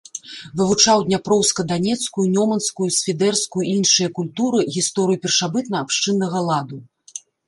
Вывучаў дняпроўска-данецкую, нёманскую, свідэрскую і іншыя культуры, гісторыю першабытна-абшчыннага ладу.